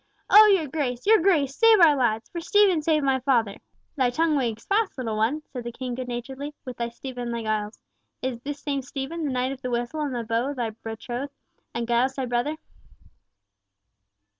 Oh! your Grace, your Grace, save our lads! for Stephen saved my father." "Thy tongue wags fast, little one," said the King, good naturedly, "with thy Stephen and thy Giles. Is this same Stephen, the knight of the whistle and the bow, thy betrothed, and Giles thy brother?"